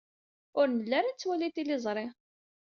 Ur nelli ara nettwali tiliẓri.